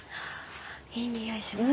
いい匂いします。